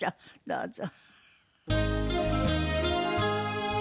どうぞ。